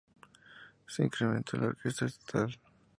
Se incrementó la orquesta estatal.